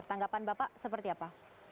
tanggapan bapak seperti apa